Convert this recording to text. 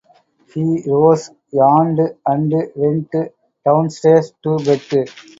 He rose, yawned, and went downstairs to bed.